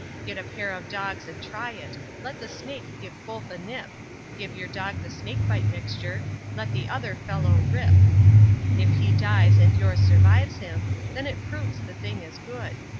Get a pair of dogs and try it, let the snake give both a nip; Give your dog the snakebite mixture, let the other fellow rip; If he dies and yours survives him, then it proves the thing is good.